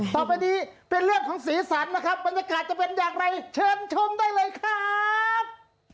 ต่อไปนี้เป็นเรื่องของสีสันนะครับบรรยากาศจะเป็นอย่างไรเชิญชมได้เลยครับ